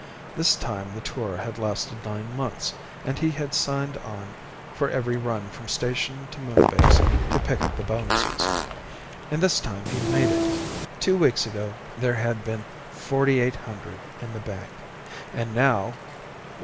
This time the tour had lasted nine months, and he had signed on for every run from station to moon base to pick up the bonuses. And this time he'd made it. Two weeks ago, there had been forty eight hundred in the bank. And now